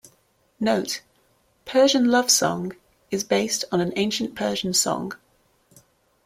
Note: "Persian Love Song" is based on an ancient Persian song.